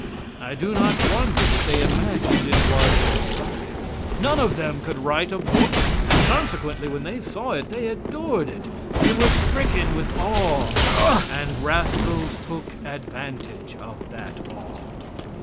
I do not wonder that they imagined it was inspired. None of them could write a book, and consequently when they saw it they adored it; they were stricken with awe; and rascals took advantage of that awe.